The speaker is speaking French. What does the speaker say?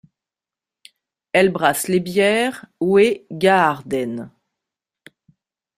Elle brasse les bières Hoegaarden.